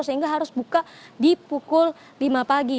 sehingga harus buka di pukul lima pagi